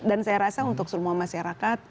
dan saya rasa untuk semua masyarakat